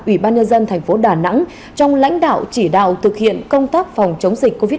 ủy ban nhân dân thành phố đà nẵng trong lãnh đạo chỉ đạo thực hiện công tác phòng chống dịch covid một mươi chín